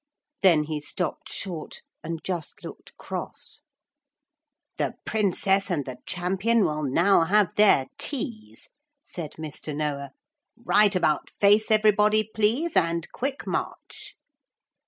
Then he stopped short and just looked cross. 'The Princess and the Champion will now have their teas,' said Mr. Noah. 'Right about face, everybody, please, and quick march.'